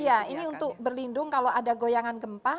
iya ini untuk berlindung kalau ada goyangan gempa